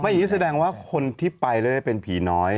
ไม่อย่างนี้แสดงว่าคนที่ไปเลยเป็นผีน้อย